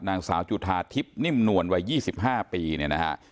นางสาวจุธาทิพย์นิ่มนวลวัย๒๕ปีเนี่ยนะฮะ